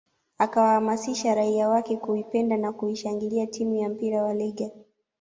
Akawaamasisha raia wake kuipenda na kuishangilia timu ya mpira wa Legger